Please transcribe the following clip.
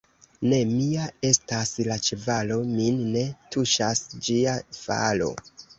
Ne mia estas la ĉevalo, min ne tuŝas ĝia falo.